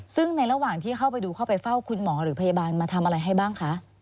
ซึ่งในระหว่างที่เข้าไปดูเข้าไปเฝ้าคุณหมอหรือพยาบาลมาทำอะไรให้บ้างคะ